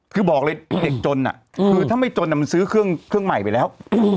คือบอกเลยเด็กจนคือถ้าไม่จนมันซื้อเครื่องใหม่ไปแล้ว